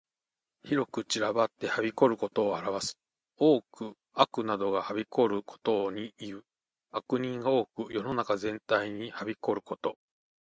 広く散らばってはびこることを表す。多く悪などがはびこることにいう。悪人が多く世の中全体に蔓延ること。